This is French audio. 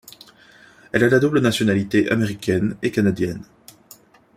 Elle a la double nationalité américaine et canadienne.